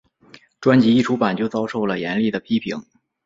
专辑一出版就遭受了严厉的批评。